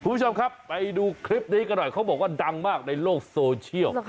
คุณผู้ชมครับไปดูคลิปนี้กันหน่อยเขาบอกว่าดังมากในโลกโซเชียล